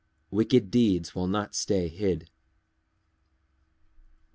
_Wicked deeds will not stay hid.